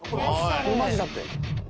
これマジだって。